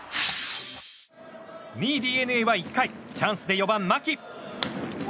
２位ＤｅＮＡは１回チャンスで４番、牧。